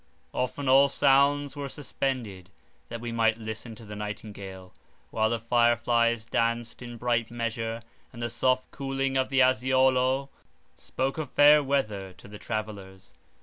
Often all sounds were suspended, that we might listen to the nightingale, while the fire flies danced in bright measure, and the soft cooing of the aziolo spoke of fair weather to the travellers.